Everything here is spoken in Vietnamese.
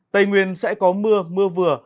tây nguyên sẽ có mưa mưa vừa